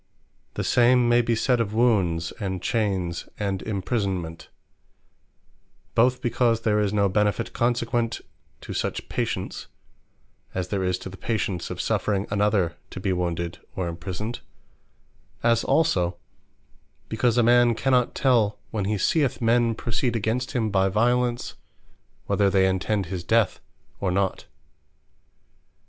The same may be sayd of Wounds, and Chayns, and Imprisonment; both because there is no benefit consequent to such patience; as there is to the patience of suffering another to be wounded, or imprisoned: as also because a man cannot tell, when he seeth men proceed against him by violence, whether they intend his death or not.